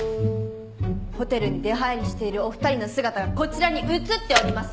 ホテルに出入りしているお二人の姿がこちらに写っております。